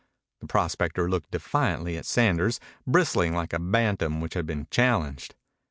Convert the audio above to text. The prospector looked defiantly at Sanders, bristling like a bantam which has been challenged.